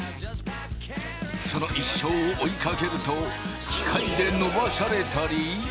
その一生を追いかけると機械で伸ばされたり。